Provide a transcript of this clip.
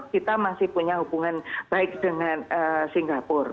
kita masih punya hubungan baik dengan singapura